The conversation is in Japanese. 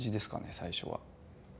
最初は。